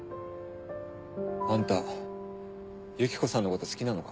あんたユキコさんのこと好きなのか？